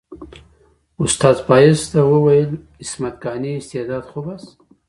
استاد فایز ته وویل عصمت قانع استعداد خوب است.